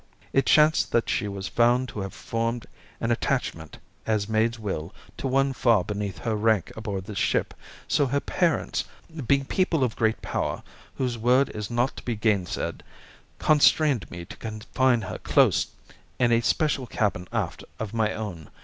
It chanced that she was found to have formed an attachment, as maids will, to one far beneath her in rank aboard this ship; so her parents, being people of great power, whose word is not to be gainsaid, constrained me to confine her close in a special cabin aft of my own.